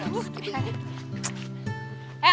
bu kita pergi